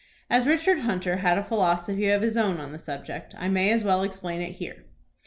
As Richard Hunter had a philosophy of his own on this subject, I may as well explain it here.